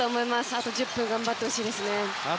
あと１０分頑張ってほしいです。